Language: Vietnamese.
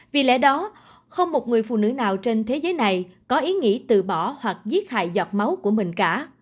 vì lẽ đó không một người phụ nữ nào trên thế giới này có ý nghĩ từ bỏ hoặc giết hại giọt máu của mình cả